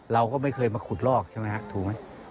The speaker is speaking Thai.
เราก็ไม่เคยมาขุดลอกใช่ไหมฮะถูกไหม